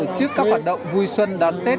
xã đã tổ chức các hoạt động vui xuân đón tết